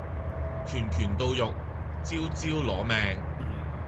拳拳到肉，招招攞命